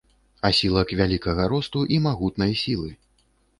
Асілак вялікага росту і магутнай сілы.